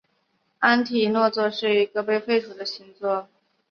安提诺座是一个已经被废除的星座。